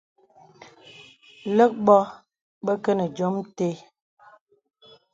Lə̀k bò bə kə nə diōm itə̀.